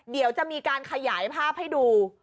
เดี๋ยวจะมีการขยายภาพให้ดู